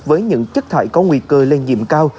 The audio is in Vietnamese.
với những chất thải có nguy cơ lây nhiễm cao